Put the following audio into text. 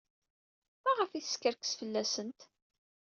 Maɣef ay teskerkes fell-asent?